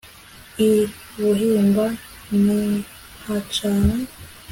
i buhimba nyihacana